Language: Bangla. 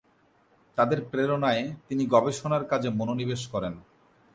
তাঁদের প্রেরণায় তিনি গবেষণার কাজে মনোনিবেশ করেন।